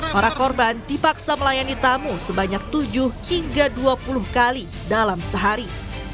para korban dipaksa melayani tamu sebanyak tujuh hingga dua puluh kali dalam sehari